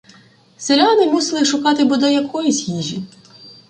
Селяни мусили шукати бодай якоїсь їжі.